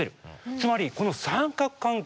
つまりこの三角関係。